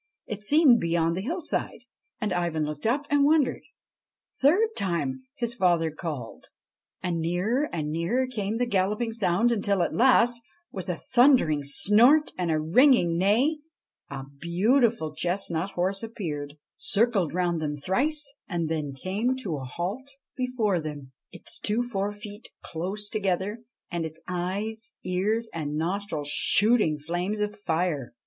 It seemed beyond the hillside, and Ivan looked up and wondered. A third time his father called, and nearer and nearer came the galloping sound, until at last, with a thundering snort and a ringing neigh, a beautiful chestnut horse appeared, circled round them thrice, and then came to a halt before them, its two forefeet close together and its eyes, ears, and nostrils shooting flames of fire.